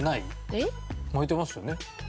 えっ？巻いてますよね。